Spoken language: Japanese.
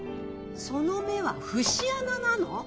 その目は節穴なの！？